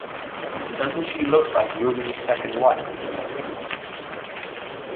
Doesn't she look like Rubens' second wife?